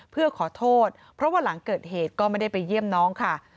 เพื่อขอโทษเพราะว่าหลังเกิดเหตุก็ไม่ได้ไปเยี่ยมน้องค่ะ